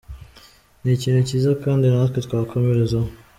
Ni ikintu kiza kandi natwe twakomerezaho.